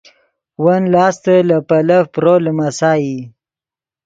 ون لاستے لے پیلف پرو لیمسائی